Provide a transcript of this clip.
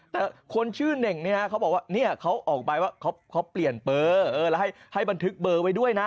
แต่คนชื่อเน่งเนี่ยเขาบอกว่าเนี่ยเขาออกไปว่าเขาเปลี่ยนเบอร์แล้วให้บันทึกเบอร์ไว้ด้วยนะ